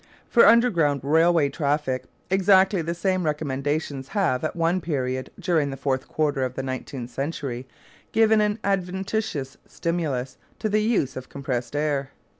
For underground railway traffic exactly the same recommendations have, at one period during the fourth quarter of the nineteenth century, given an adventitious stimulus to the use of compressed air.